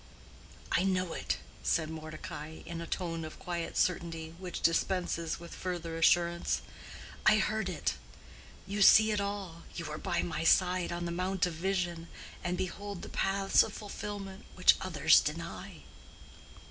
"I know it," said Mordecai, in a tone of quiet certainty which dispenses with further assurance. "I heard it. You see it all—you are by my side on the mount of vision, and behold the paths of fulfillment which others deny."